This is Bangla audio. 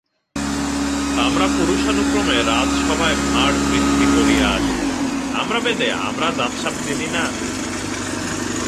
আমরা পুরুষানুক্রমে রাজসভায় ভাঁড়বৃত্তি করিয়া আসিতেছি, আমরা বেদে, আমরা জাত-সাপ চিনি না?